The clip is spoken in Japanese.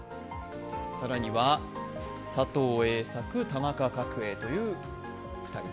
更には、佐藤栄作、田中角栄という２人。